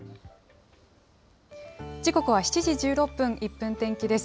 時刻は７時１６分、１分天気です。